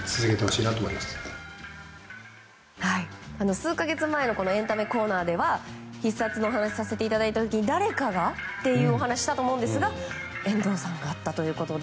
数か月前のエンタメコーナーで「必殺」のお話をさせていただいた時に誰かがというお話したと思うんですが遠藤さんだったということで。